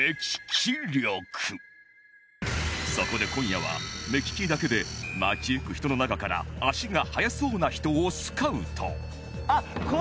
そこで今夜は目利きだけで街行く人の中から足が速そうな人をスカウト